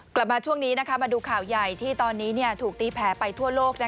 กลับมาช่วงนี้มาดูข่าวใหญ่ที่ตอนนี้ถูกตีแผลไปทั่วโลก